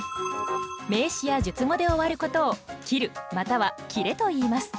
名詞や述語で終わることを「切る」または「切れ」といいます。